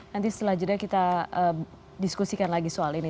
nanti setelah jeda kita diskusikan lagi soal ini